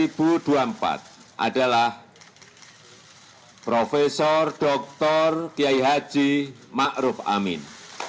ini adalah profesor dr kiai haji ma'ruf amin